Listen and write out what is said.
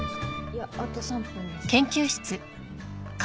いやあと３分です。